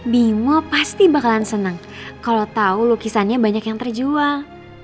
bimo pasti bakalan seneng kalo tau lukisannya banyak yang terjual